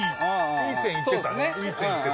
いい線いってた。